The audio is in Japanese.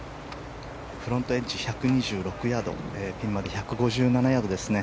フロントエッジ１２６ヤードピンまで１５７ヤードですね。